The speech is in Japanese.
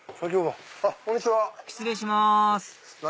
失礼します